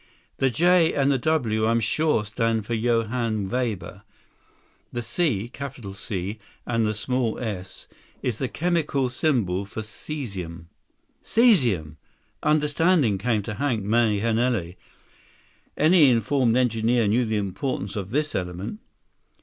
"The J and the W, I'm sure, stand for Johann Weber. The C—capital C—and the small s, is the chemical symbol for cesium." "Cesium!" Understanding came to Hank Mahenili. Any informed engineer knew the importance of this element.